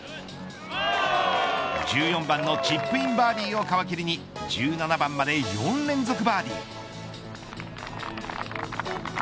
１４番のチップインバーディーを皮切りに１７番まで４連続バーディー。